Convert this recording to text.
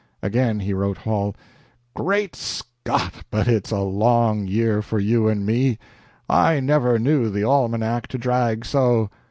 Again he wrote Hall: "Great Scott, but it's a long year for you and me! I never knew the almanac to drag so.